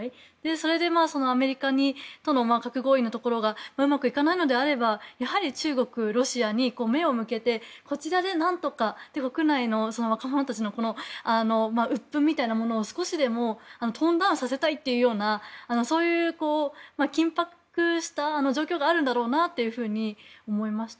それで、アメリカとの核合意のところがうまくいかないのであればやはり中国、ロシアに目を向けて、こちらで何とか国内の若者たちの鬱憤みたいなものを少しでもトーンダウンさせたいというようなそういう緊迫した状況があるんだろうなと思いました。